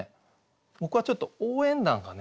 僕はちょっと「応援団」がね